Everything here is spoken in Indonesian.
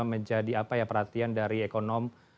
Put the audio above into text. menjadi perhatian dari ekonom